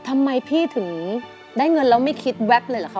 ทำไมพี่ถึงได้เงินแล้วไม่คิดแว๊บเลยเหรอคะ